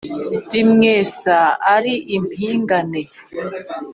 Rimwesa ari impingane